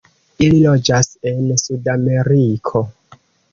Ili loĝas en Sudameriko.